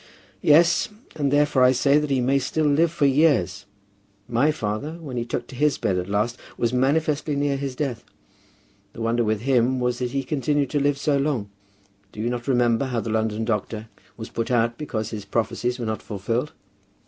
"Yes; and therefore I say that he may still live for years. My father, when he took to his bed at last, was manifestly near his death. The wonder with him was that he continued to live so long. Do you not remember how the London doctor was put out because his prophecies were not fulfilled?"